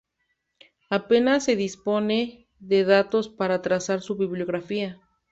Apenas se dispone de datos para trazar su biografía.